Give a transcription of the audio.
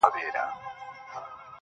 ستا شاعري گرانه ستا اوښکو وړې_